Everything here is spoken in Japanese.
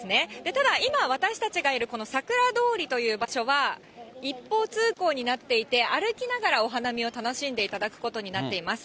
ただ、今、私たちがいるこのさくら通りという場所は、一方通行になっていて、歩きながらお花見を楽しんでいただくことになっています。